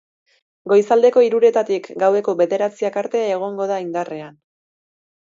Goizaldeko hiruretatik gaueko bederatziak arte egongo da indarrean.